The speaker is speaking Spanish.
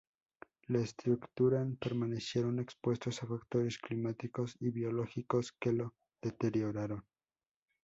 Las estructuran permanecieron expuestos a factores climáticos y biológicos que lo deterioraron.